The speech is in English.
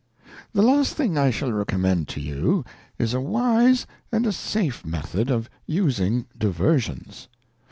THE last thing I shall recommend to you, is a wise and a safe method of using Diversions.